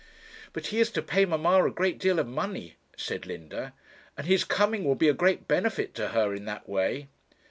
'But he is to pay mamma a great deal of money,' said Linda, 'and his coming will be a great benefit to her in that way.'